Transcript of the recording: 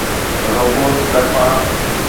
robots طرفان